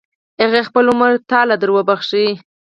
هغې خپل عمر تا له دروبخل.